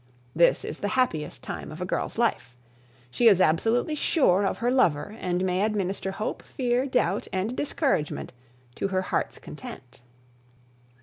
This is the happiest time of a girl's life. She is absolutely sure of her lover and may administer hope, fear, doubt, and discouragement to her heart's content.